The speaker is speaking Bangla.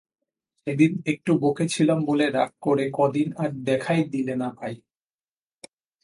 সেদিন একটু বকেছিলাম বলে রাগ করে কদিন আর দেখাই দিলে না ভাই!